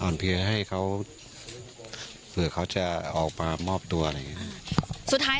อ่อนเพลียให้เขาเผื่อเขาจะออกมามอบตัวอะไรอย่างนี้